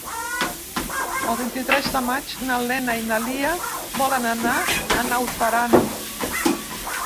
El vint-i-tres de maig na Lena i na Lia volen anar a Naut Aran.